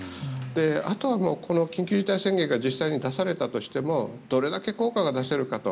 あとは緊急事態宣言が実際に出されたとしてもどれだけ効果が出せるかと。